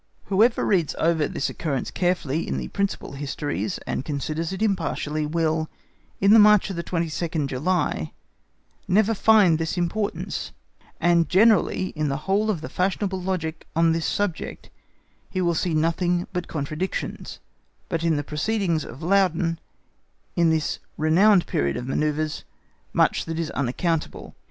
Whoever reads over this occurrence carefully in the principal histories,(*) and considers it impartially, will, in the march of the 22nd July, never find this importance; and generally in the whole of the fashionable logic on this subject, he will see nothing but contradictions; but in the proceedings of Laudon, in this renowned period of manœuvres, much that is unaccountable.